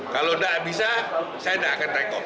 kalau gak bisa saya gak akan rekop